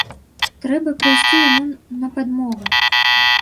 Трэба прыйсці яму на падмогу.